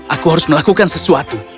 aku harus melakukan sesuatu